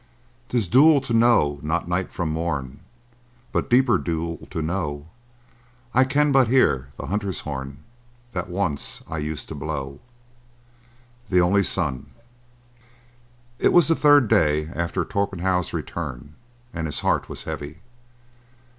'Tis dule to know not night from morn, But deeper dule to know I can but hear the hunter's horn That once I used to blow. —The Only Son. It was the third day after Torpenhow's return, and his heart was heavy.